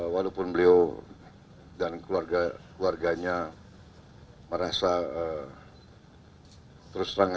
walaupun beliau dan keluarganya merasa terserang saja